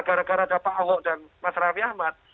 gara gara ada pak ahok dan mas raffi ahmad